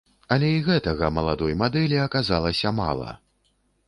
Але і гэтага маладой мадэлі аказалася мала.